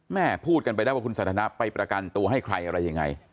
แม่พูดกันไปได้ว่าคุณสันทนาไปประกันตัวให้ใครอะไรยังไง